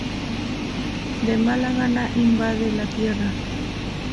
De mala gana, invade la Tierra.